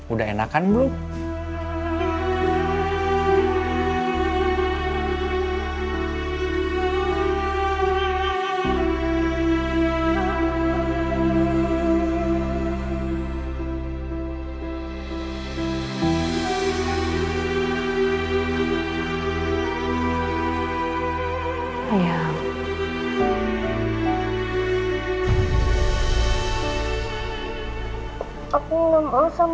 udah enakan belum